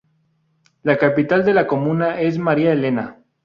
La capital de la comuna es María Elena.